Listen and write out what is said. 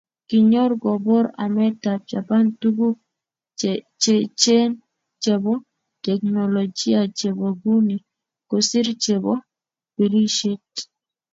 Kinyor kobor emetab Japan tuguk cheechen chebo teknolijia chebo nguni kosiir chebo birishet